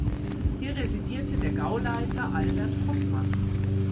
Hier residierte der Gauleiter Albert Hoffmann.